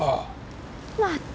ああ。